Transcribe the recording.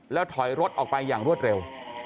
แล้วถอยรถออกไปอย่างรวดเร็ว